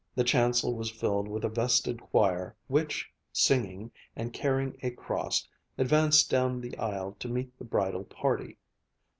The chancel was filled with a vested choir which, singing and carrying a cross, advanced down the aisle to meet the bridal party.